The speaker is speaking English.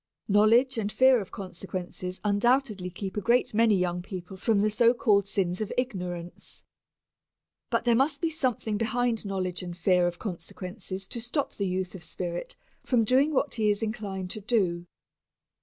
Knowledge and fear of consequences undoubtedly keep a great many young people from the so called sins of ignorance. But there must be something behind knowledge and fear of consequences to stop the youth of spirit from doing what he is inclined to do.